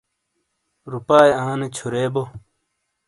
روپاۓ آنے چھُرے بو۔